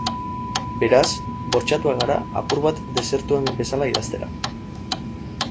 Beraz, bortxatuak gara apur bat desertuan bezala idaztera.